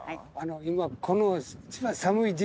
今この。